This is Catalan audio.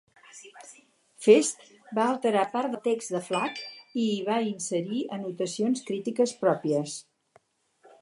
Fest va alterar part del text de Flac i hi va inserir anotacions crítiques pròpies.